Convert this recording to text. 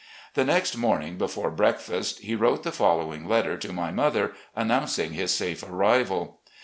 The next morning, before breakfast, he wrote the fol lowing letter to my mother announcing his safe arrival.